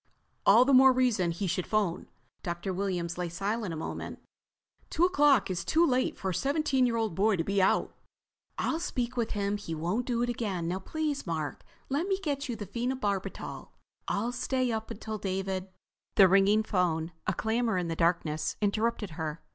"All the more reason he should phone." Dr. Williams lay silent a moment. "Two o'clock is too late for a 17 year old boy to be out." "I'll speak to him. He won't do it again. Now please, Mark, let me get you the phenobarbital. I'll stay up until David—" The ringing phone, a clamor in the darkness, interrupted her.